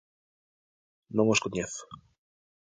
Non os coñezo.